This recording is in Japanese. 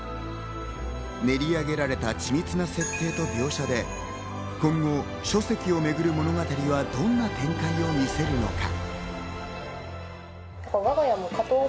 練り上げられた緻密な設定と描写で、今後、書籍をめぐる物語はどんな展開を見せるのか？